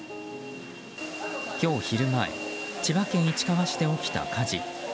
今日昼前千葉県市川市で起きた火事。